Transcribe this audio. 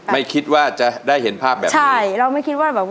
ไม่คิดว่าจะได้เห็นภาพแบบนี้ใช่เราไม่คิดว่าแบบ